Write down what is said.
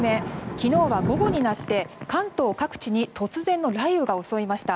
昨日は午後になって関東各地に突然の雷雨が襲いました。